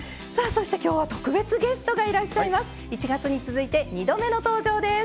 そして、今日は特別ゲストがいらっしゃいます。